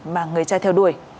mà người cha theo đuổi